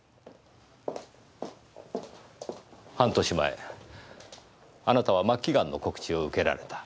半年前あなたは末期ガンの告知を受けられた。